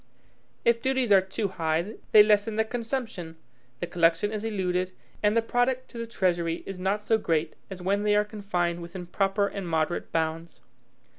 If duties are too high, they lessen the consumption; the collection is eluded; and the product to the treasury is not so great as when they are confined within proper and moderate bounds.